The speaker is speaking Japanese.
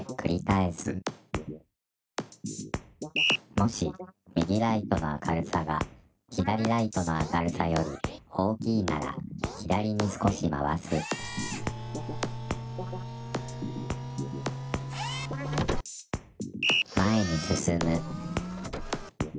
もし右ライトの明るさが左ライトの明るさより大きいなら左に少し回す前に進む